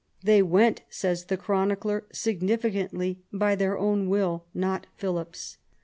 They went, says the chronicler significantly, by their own will, not Philip's.